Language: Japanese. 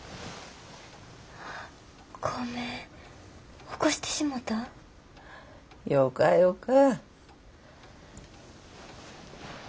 ごめん起こしてしもた？よかよか。